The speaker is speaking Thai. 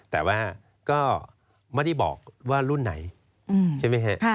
แต่ว่าก็ไม่ได้บอกว่ารุ่นไหนใช่ไหมฮะ